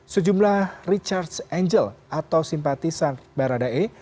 sejumlah richard angel atau simpatisan barada e